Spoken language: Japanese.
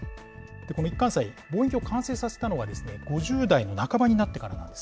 この一貫斎、望遠鏡を完成させたのは、５０代の半ばになってからなんです。